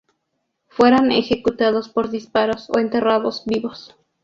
Fueron ejecutados por disparos o enterrados vivos.